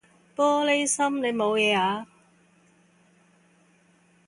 玻璃心，你冇嘢啊？